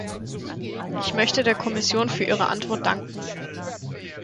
Ich möchte der Kommission für ihre Antwort danken.